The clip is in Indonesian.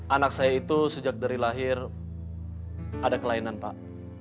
anak saya itu sejak dari lahir ada kelainan pak